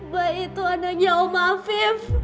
baik itu adanya om maafif